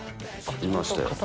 いましたよ。